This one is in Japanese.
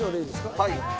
はい。